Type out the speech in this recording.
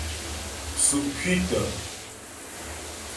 Tsʉ́' kwítə.